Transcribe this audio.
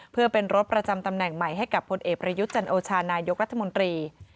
เพื่อเป็นรถประจำตำแหน่งใหม่ให้กับพลเอกประยุทธ์จันโอชานายกรัฐมนตรี